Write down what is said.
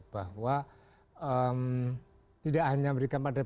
bahwa tidak hanya berikan pada dpr